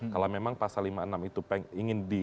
kalau memang pasal lima puluh enam itu ingin di